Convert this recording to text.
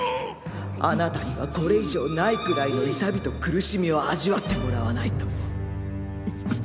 あなたにはこれ以上ないくらいの痛みと苦しみを味わってもらわないと。